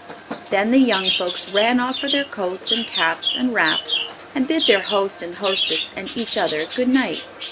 Then the young folks ran off for their coats and caps and wraps, and bid their host and hostess and each other good night.